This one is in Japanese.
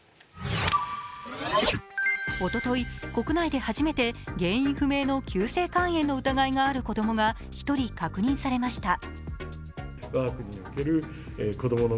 おととい、国内で初めて原因不明の急性肝炎の疑いがある子供が１人確認されました。